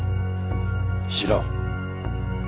知らん。